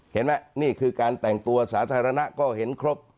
นี่คือการแต่งตัวสาธารณะก็เห็นครบ